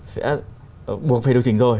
sẽ buộc phải điều chỉnh rồi